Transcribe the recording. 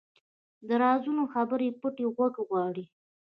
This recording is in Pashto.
د رازونو خبرې پټه غوږ غواړي